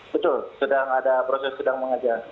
betul sedang ada proses sedang mengajar